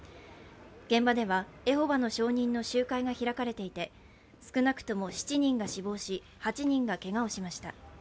現場ではエホバの証人の集会が開かれていて少なくとも７人が死亡し、８人がけがをしました。